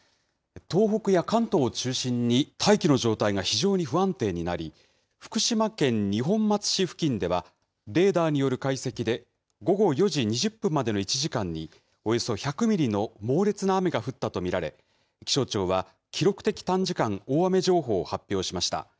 東北や関東を中心に、大気の状態が非常に不安定になり、福島県二本松市付近では、レーダーによる解析で、午後４時２０分までの１時間に、およそ１００ミリの猛烈な雨が降ったと見られ、気象庁は記録的短時間大雨情報を発表しました。